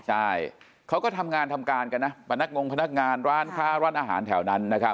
ใช่เขาก็ทำงานทำการกันนะประนักงงพนักงานร้านค้าร้านอาหารแถวนั้นนะครับ